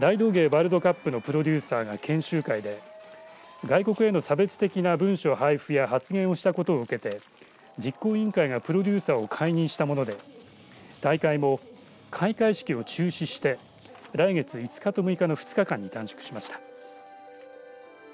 ワールドカップのプロデューサーが研修会で外国への差別的な文書配布や発言をしたことを受けて実行委員会がプロデューサーを解任したもので大会も開会式を中止して来月５日と６日の２日間に短縮しました。